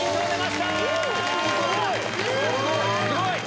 すごい！